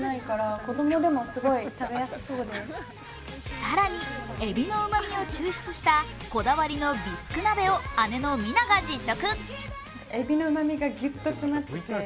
更に、えびのうまみを抽出したこだわりのビスク鍋を姉のみなが実食。